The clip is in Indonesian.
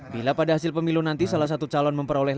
bila pada hasil pemilu nanti salah satu calon memperoleh